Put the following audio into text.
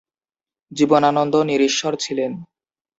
জীবনানন্দ নিরীশ্বর ছিলেন।